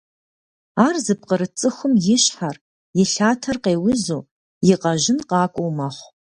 Ар зыпкъырыт цӀыхум и щхьэр, и лъатэр къеузу, и къэжьын къакӀуэу мэхъу.